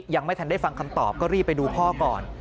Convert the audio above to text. ยังไม่ทันได้ฟังคำตอบก็รีบไปดูพ่อก่อน